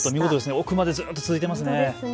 奥までずっと続いていますね。